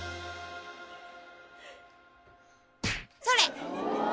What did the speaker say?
それ！